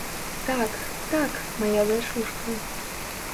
Так, так, мая дачушка!